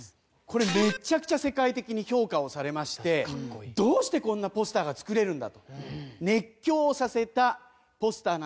これめちゃくちゃ世界的に評価をされましてどうしてこんなポスターが作れるんだと熱狂させたポスターなんですが。